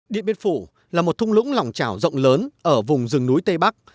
điện biên phủ là một thung lũng lòng trào rộng lớn ở vùng rừng núi tây bắc